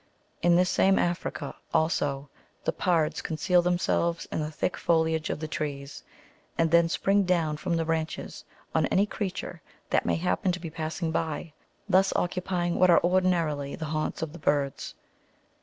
In this same Africa, also, the pards conceal themselves in the thick foliage of the trees, and then spring down from the branches on any creature that may happen to be passing by, thus occupying what are ordinarily the haunts of the birds.